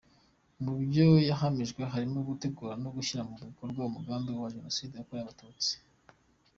Mu byo yahamijwe harimo gutegura no gushyira mu bikorwa umugambi wa Jenoside yakorewe Abatutsi.